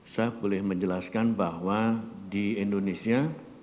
saya boleh menjelaskan bahwa di indonesia